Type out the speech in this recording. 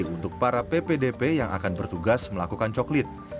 untuk para ppdp yang akan bertugas melakukan coklit